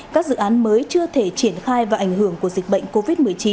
các dự án mới chưa thể triển khai và ảnh hưởng của dịch bệnh covid một mươi chín